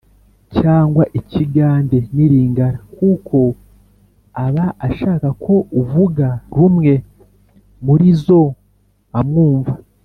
cyangwa ikigande n’ilingala, kuko aba ashaka ko uvuga rumwe muri zo amwumva